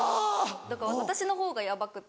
だから私の方がヤバくて。